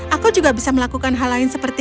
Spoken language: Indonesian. aku juga bisa melakukan hal lain seperti